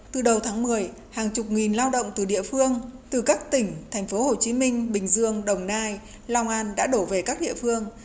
từ đầu tháng một mươi hàng chục nghìn lao động từ địa phương từ các tỉnh thành phố hồ chí minh bình dương đồng nai long an đã đổ về các địa phương